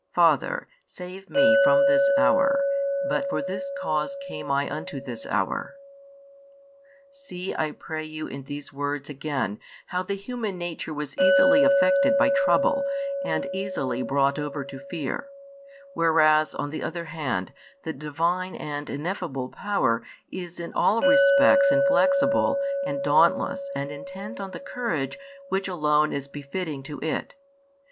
Father, save one from this hour: but for this cause came I unto this hour. See I pray you in these words again how the human nature was easily affected by trouble and easily brought over to fear, whereas on the other hand the Divine and ineffable Power is in all respects inflexible and dauntless and intent on the courage which alone is befitting to It.